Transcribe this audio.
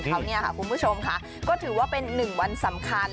คราวนี้ค่ะคุณผู้ชมค่ะก็ถือว่าเป็น๑วันสำคัญ